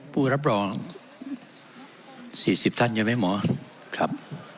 ผู้รับรองสี่สิบท่านยังไหมหมอครับ